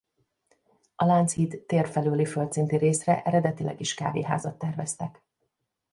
A Lánchíd tér felőli földszinti részre eredetileg is kávéházat terveztek.